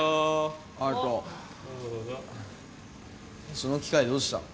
その機械どうした？